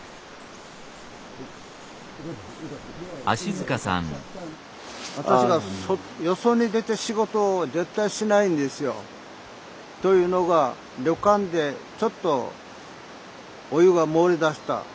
私らよそに出て仕事を絶対しないんですよ。というのが旅館でちょっとお湯が漏れだした。